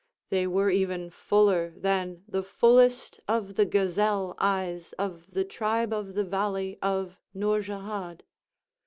They were even fuller than the fullest of the gazelle eyes of the tribe of the valley of Nourjahad.